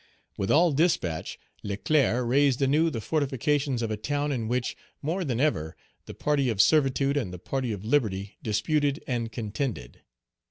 With all dispatch, Leclerc raised anew the fortifications of a town in which, more than ever, the party of servitude and the party of liberty disputed and contended.